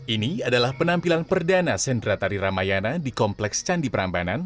ini adalah penampilan perdana sendra tari ramayana di kompleks candi prambanan